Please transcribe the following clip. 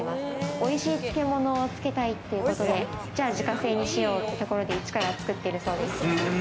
おいしい漬物を漬けたいということで、じゃあ自家製にしようということでイチから作ってるそうです。